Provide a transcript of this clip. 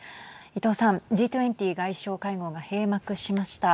伊藤さんＧ２０外相会合が閉幕しました。